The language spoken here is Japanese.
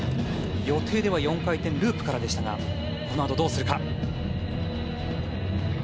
予定では４回転ループからでしたがこのあとどうするか。